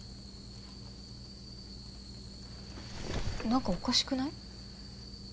・何かおかしくない？